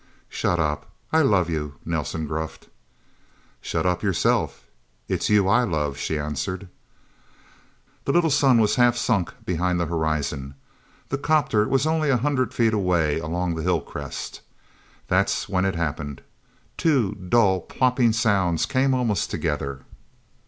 "Shut up I love you," Nelsen gruffed. "Shut up yourself it's you I love," she answered. The little sun was half sunk behind the Horizon. The 'copter was only a hundred feet away, along the hillcrest. That was when it happened. Two dull, plopping sounds came almost together.